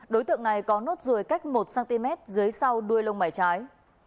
đối tượng này có nốt ruồi cách một cm dưới sau đuôi lông mảy trái